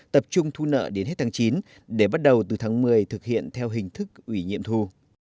tập trung thu nợ đến hết tháng chín để bắt đầu từ tháng một mươi thực hiện theo hình thức ủy nhiệm thu